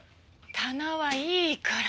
棚はいいから。